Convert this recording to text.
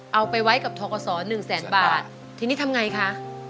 เอาไปไว้กับทกศหนึ่งแสนบาททีนี้ทำไงคะ